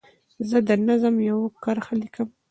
زه د نظم یوه کرښه لیکم.